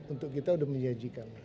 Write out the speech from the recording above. untuk kita sudah menyajikan